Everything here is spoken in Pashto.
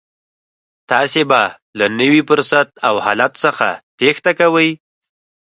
تاسې به له نوي فرصت او حالت څخه تېښته کوئ.